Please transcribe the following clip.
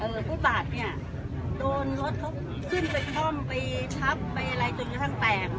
เออพูดบาทเนี้ยโดนรถเขาขึ้นไปคล่อมไปพับไปอะไรจนกระทั่งแตกหมด